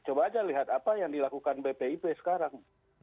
coba aja lihat apa yang dilakukan bpip sekarang